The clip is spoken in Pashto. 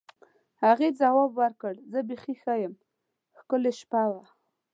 هغې ځواب ورکړ: زه بیخي ښه یم، ښکلې شپه وه.